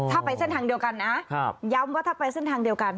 ถ้าไปเส้นทางเดียวกันนะย้ำว่าถ้าไปเส้นทางเดียวกัน